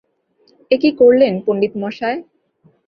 এ কী করলেন পণ্ডিতমশায়?